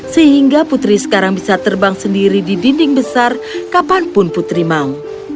sehingga putri sekarang bisa terbang sendiri di dinding besar kapanpun putri mau